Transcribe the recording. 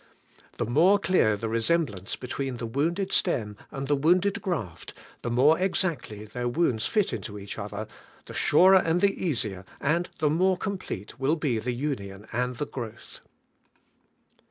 The more clear the resemblance between the wounded stem and the wounded graft, the more exactly their wounds fit into each other, the surer and the easier, and the more complete will be the union and the growth.